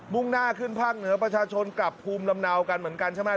่งหน้าขึ้นภาคเหนือประชาชนกลับภูมิลำเนากันเหมือนกันใช่ไหม